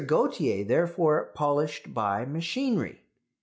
Gautier therefore polished by machinery.